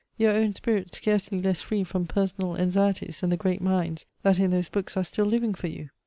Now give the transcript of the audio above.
Your own spirit scarcely less free from personal anxieties than the great minds, that in those books are still living for you!